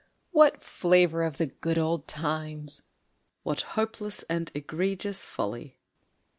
_) What flavour of the good old times! (_What hopeless and egregious folly!